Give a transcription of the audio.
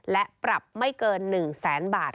และปรับไม่เกิน๑แสนบาท